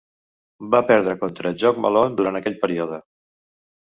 Va perdre contra Jock Malone durant aquell període.